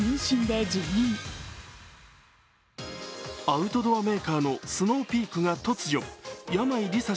アウトドアメーカーのスノーピークが突如山井梨沙